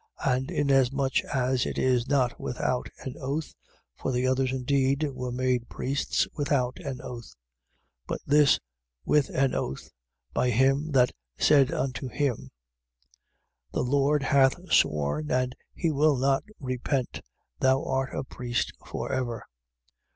7:20. And inasmuch as it is not without an oath (for the others indeed were made priests without an oath: 7:21. But this with an oath, by him that said unto him: The Lord hath sworn and he will not repent: Thou art a priest for ever).